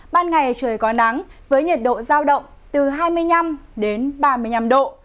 ban ngày trời có nắng với nhiệt độ giao động từ hai mươi năm đến ba mươi năm độ